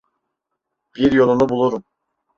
Bir yolunu bulurum.